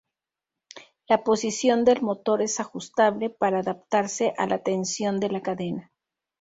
La posición del motor es ajustable para adaptarse a la tensión de la cadena.